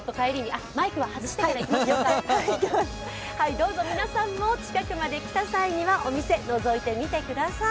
どうぞ皆さんも近くまで来た際には、お店をのぞいてみてください。